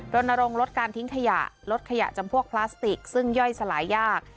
รณรงค์ลดการทิ้งขยะลดขยะจำพวกพลาสติกซึ่งย่อยสลายยาก